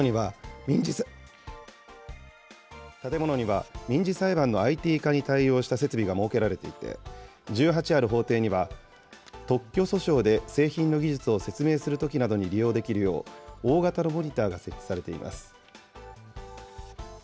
建物には、民事裁判のＩＴ化に対応した設備が設けられていて、１８ある法廷には特許訴訟で製品の技術を説明するときなどに利用できるよう、大型のモニターが設置されています。